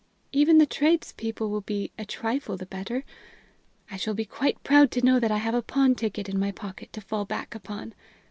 Even the tradespeople will be a trifle the better. I shall be quite proud to know that I have a pawn ticket in my pocket to fall back upon.